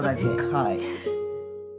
はい。